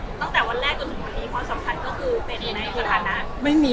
ถ้าถามว่าความรู้สึกตอนเนี้ย